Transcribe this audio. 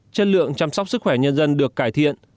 chất lượng chăm sóc sức khỏe nhân dân được cải thiện